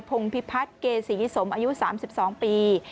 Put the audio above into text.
พงพิพัฒน์เกษีสมอายุ๓๒ปี